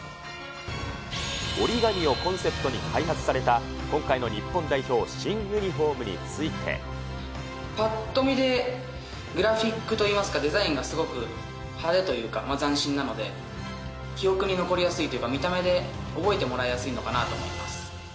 折り紙をコンセプトに開発された今回の日本代表新ユニホームにつぱっと見で、グラフィックといいますか、デザインがすごく派手というか、斬新なので、記憶に残りやすいというか、見た目で覚えてもらいやすいのかなと思います。